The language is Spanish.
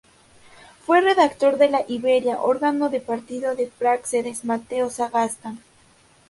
Fue redactor de "La Iberia", órgano del partido de Práxedes Mateo Sagasta.